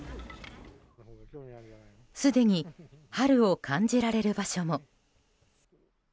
すでに春を感じられる場所も。